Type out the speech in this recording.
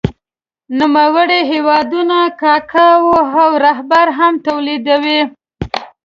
نوموړی هېوادونه کاکاو او ربړ هم تولیدوي.